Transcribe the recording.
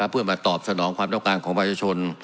เพื่อมาตอบสนองความต้องการของประชาชน